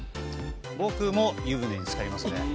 僕も湯船につかりますね。